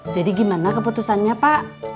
jadi gimana keputusannya pak